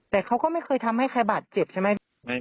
แต่เขาก็ไม่เคยทำให้ใครบาดเจ็บใช่ไหม